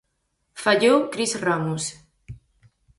Fallou Cris Ramos.